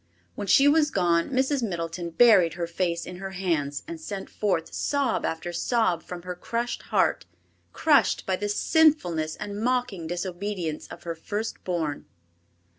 When she was gone Mrs. Middleton buried her face in her hands, and sent forth sob after sob from her crushed heart—crushed by the sinfulness and mocking disobedience of her first born.